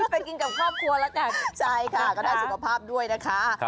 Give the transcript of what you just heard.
ไปกินกับครอบครัวแล้วกันใช่ค่ะก็ได้สุขภาพด้วยนะคะ